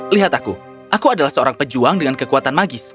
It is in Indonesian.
lihat aku aku adalah seorang pejuang dengan kekuatan magis